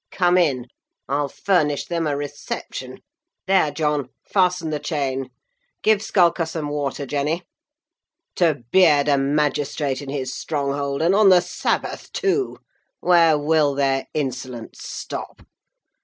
Come in; I'll furnish them a reception. There, John, fasten the chain. Give Skulker some water, Jenny. To beard a magistrate in his stronghold, and on the Sabbath, too! Where will their insolence stop?